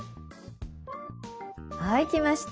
はいきました。